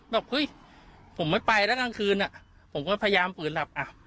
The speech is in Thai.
แบบเฮ้ยผมไม่ไปแล้วกลางคืนผมก็พยายามฝืนหลับอ่ะ